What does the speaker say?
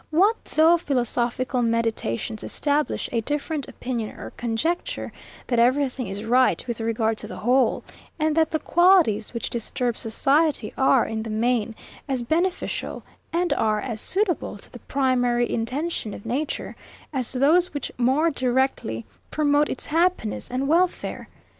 What though philosophical meditations establish a different opinion or conjecture; that everything is right with regard to the WHOLE, and that the qualities, which disturb society, are, in the main, as beneficial, and are as suitable to the primary intention of nature as those which more directly promote its happiness and welfare?